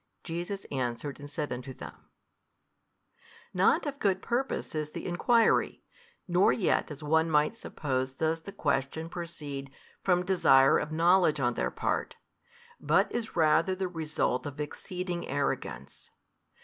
Jesus answered and said unto them, Not of good purpose is the enquiry, nor yet as one might suppose does the question proceed from desire of knowledge on their part, but is rather the result of exceeding arrogance.